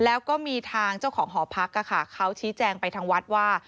แล้วก็มีทางเจ้าของหอพักเขาชี้แจงไปทางวัดว่า